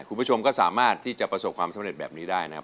คุณผู้ชมก็สามารถที่จะประสบความสำเร็จแบบนี้ได้นะครับ